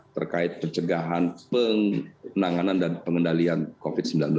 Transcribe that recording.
terkait pencegahan penanganan dan pengendalian covid sembilan belas